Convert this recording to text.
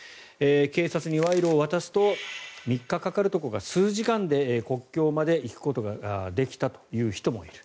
警察に賄賂を渡すと３日かかるところが数時間で国境まで行くことができたという人もいる。